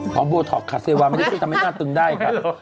ของโบท็อกค่ะเซวามันไม่ใช่ทำให้หน้าตึงได้ค่ะ